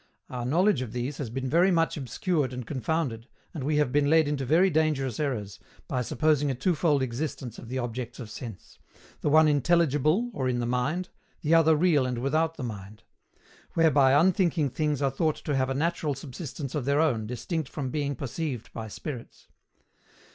Our knowledge of these has been very much obscured and confounded, and we have been led into very dangerous errors, by supposing a twofold existence of the objects of sense the one intelligible or in the mind, the other real and without the mind; whereby unthinking things are thought to have a natural subsistence of their own distinct from being perceived by spirits.